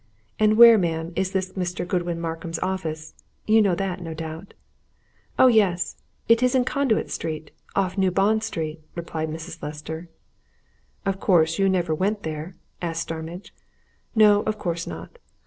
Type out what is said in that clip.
and where, ma'am, is this Mr. Godwin Markham's office? You know that, no doubt?" "Oh, yes it is in Conduit Street off New Bond Street," replied Mrs. Lester. "Of course you never went there?" asked Starmidge. "No, of course not.